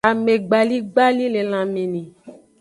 Amegbaligbali le lanme ni.